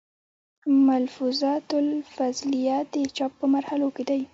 ملفوظات الافضلېه، د چاپ پۀ مرحلو کښې دی